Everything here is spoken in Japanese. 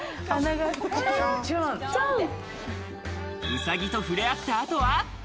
ウサギと触れ合った後は。